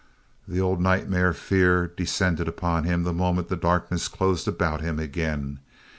The old nightmare fear descended on him the moment the darkness closed about him again.